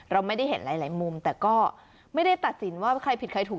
เราไม่ได้เห็นหลายมุมแต่ก็ไม่ได้ตัดสินว่าใครผิดใครถูก